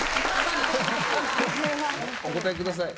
お答えください。